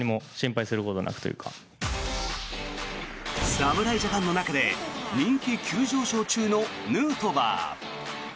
侍ジャパンの中で人気急上昇中のヌートバー。